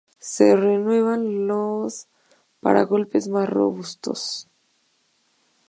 Se renuevan los paragolpes, más robustos.